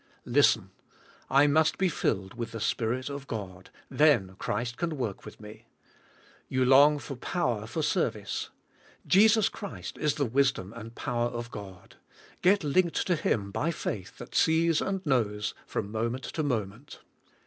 Listen. I must be filled with the Spirit of God, then Christ can work with me. You long for power for service. Jesus Christ is the wisdom and the power of God. Get linked to Him by faith that sees and knows, from moment to moment.